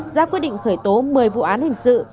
ra quyết định khởi tố một mươi vụ án hình sự